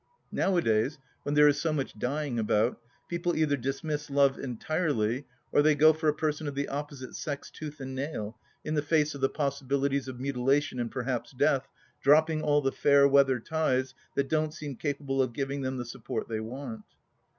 Nowadays, when there is so much dying about, people either dismiss Love entirely, or they go for a person of the opposite sex tooth and nail, in the face of the possibilities of mutila tion and perhaps death, dropping all the fair weather ties, that don't seem capable of giving them the support they want.